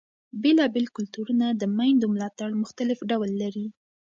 بېلابېل کلتورونه د مېندو ملاتړ مختلف ډول لري.